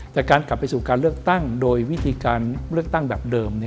แต่การกลับไปสู่การเลือกตั้งโดยวิธีการเลือกตั้งแบบเดิม